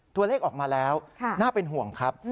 ตัวเลขออกมาแล้วน่าเป็นห่วงครับ